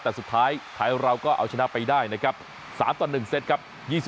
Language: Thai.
แต่สุดท้ายไทยเราก็เอาชนะไปได้นะครับ๓๑เซตกับ๒๕๑๖๒๕๑๓๒๙๒๕๒๕๒๐